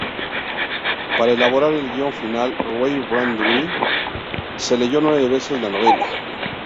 Para elaborar el guion final, Ray Bradbury se leyó nueve veces la novela.